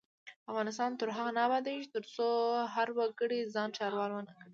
افغانستان تر هغو نه ابادیږي، ترڅو هر وګړی ځان ښاروال ونه ګڼي.